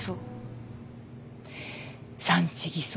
産地偽装。